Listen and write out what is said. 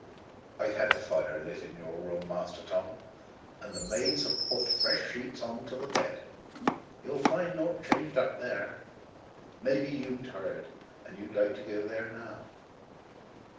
I've had a fire lit in your room, Master Tom, and the maids has put fresh sheets on to the bed. You'll find nought changed up there. Maybe you'm tired and would like to go there now."